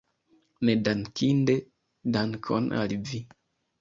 Nedankinde, dankon al vi!